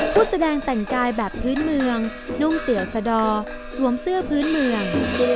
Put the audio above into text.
แสดงแต่งกายแบบพื้นเมืองนุ่งเตี่ยวสะดอสวมเสื้อพื้นเมือง